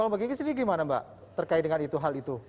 kalau mbak gigi sendiri gimana mbak terkait dengan itu hal itu